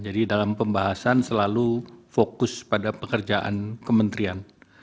jadi dalam pembahasan selalu fokus pada pekerjaan kementerian